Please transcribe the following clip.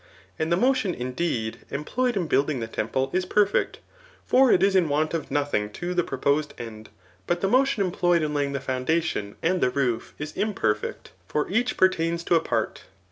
And the motion, indeed, employed in building the temple is perfeclt ; for it is in want of nothing to the proposed end ; but the motion employed in laying the foundation and the roof b Digitized by VjOOQIC 378 THE NICOMAOHEAN BOOK X. imperfect ; for each pertains to a part.